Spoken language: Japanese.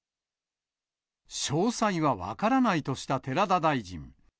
詳細は分からないとした寺田大臣。